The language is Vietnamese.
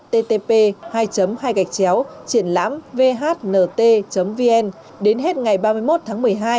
http hai hai gạchchéo vhnt vn đến hết ngày ba mươi một tháng một mươi hai